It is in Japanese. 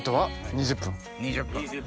２０分。